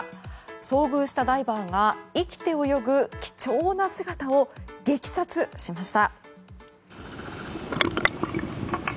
遭遇したダイバーが生きて泳ぐ貴重な姿を激撮しました。